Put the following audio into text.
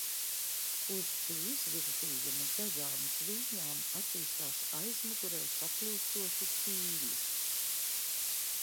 Uz šī izvirzījuma dažām zvīņām attīstās aizmugurē saplūstoši ķīļi.